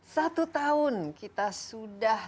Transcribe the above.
satu tahun kita sudah